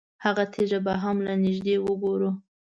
هغه تیږه به هم له نږدې وګورو.